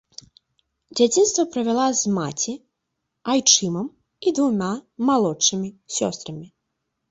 Дзяцінства правяла з маці, айчымам і двума малодшымі сёстрамі.